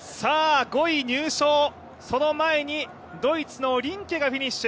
５位入賞、その前にドイツのリンケがフィニッシュ。